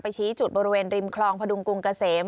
ชี้จุดบริเวณริมคลองพดุงกรุงเกษม